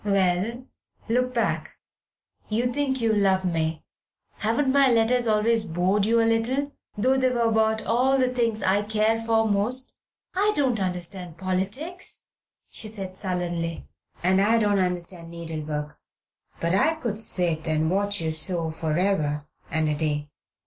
"Well: look back. You think you love me. Haven't my letters always bored you a little, though they were about all the things I care for most?" "I don't understand politics," she said sullenly. "And I don't understand needle work, but I could sit and watch you sew for ever and a day."